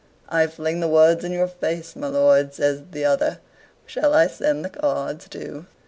"I fling the words in your face, my lord," says the other; "shall I send the cards too?"